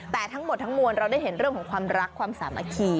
แต่ทั้งหมดทั้งมวลเราได้เห็นเรื่องของความรักความสามัคคี